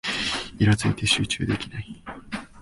イラついて集中できない